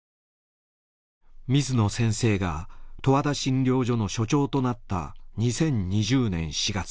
水野先生がとわだ診療所の所長となった２０２０年４月。